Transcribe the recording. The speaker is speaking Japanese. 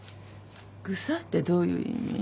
「ぐさっ」ってどういう意味？